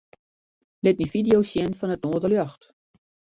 Lit my fideo's sjen fan it noarderljocht.